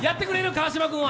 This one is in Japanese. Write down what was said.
川島君は。